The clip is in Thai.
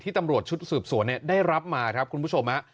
ที่บังตรชชถ์สื่อสวยประโยชน์ได้รับมาครับคุณผู้ชม